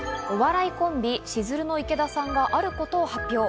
お笑いコンビ・しずるの池田さんがあることを発表。